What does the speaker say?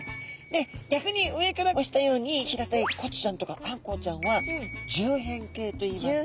で逆に上からおしたように平たいコチちゃんとかアンコウちゃんは縦扁形といいます。